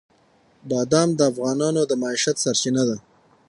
بادام د افغانانو د معیشت سرچینه ده.